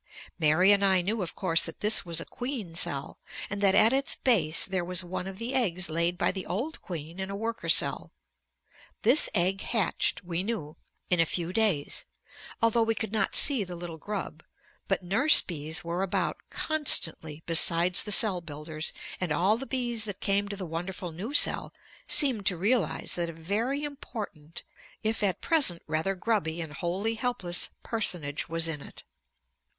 Mary and I knew of course that this was a queen cell, and that at its base there was one of the eggs laid by the old queen in a worker cell. This egg hatched, we knew, in a few days, although we could not see the little grub, but nurse bees were about constantly besides the cell builders, and all the bees that came to the wonderful new cell seemed to realize that a very important, if at present rather grubby and wholly helpless, personage was in it.